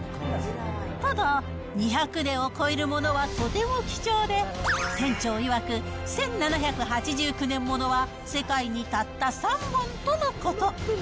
ただ、２００年を超えるものはとても貴重で、店長いわく、１７８９年物は世界にたった３本とのこと。